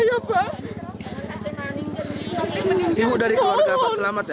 ibu dari keluarga pak selamat ya